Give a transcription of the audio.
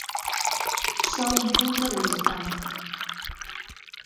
Só un punto de distancia.